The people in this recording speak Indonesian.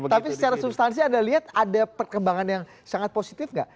tapi secara substansi anda lihat ada perkembangan yang sangat positif nggak